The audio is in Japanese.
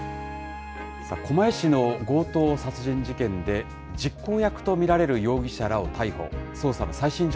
さあ、狛江市の強盗殺人事件で、実行役と見られる容疑者らを逮捕。